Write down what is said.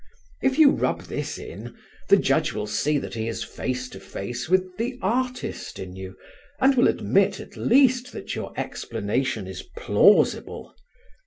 If you rub this in, the judge will see that he is face to face with the artist in you and will admit at least that your explanation is plausible.